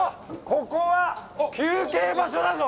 ここは休憩場所だぞ